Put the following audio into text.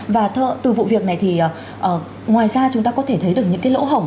và từ vụ việc này thì ngoài ra chúng ta có thể thấy được những cái lỗ hỏng